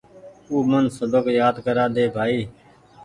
آو من سبق يآد ڪرآ ۮي بآئي